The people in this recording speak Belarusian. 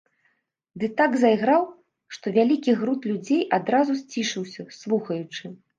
Ды так зайграў, што вялікі груд людзей адразу сцішыўся, слухаючы.